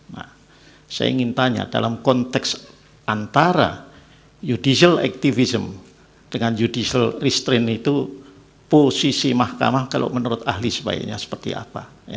nah saya ingin tanya dalam konteks antara judicial activism dengan judicial restrain itu posisi mahkamah kalau menurut ahli sebaiknya seperti apa